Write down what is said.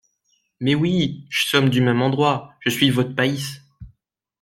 Mais oui ! j’sommes du même endroit ! je suis vot’e payse !…